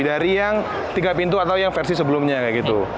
dari yang tiga pintu atau yang versi sebelumnya kayak gitu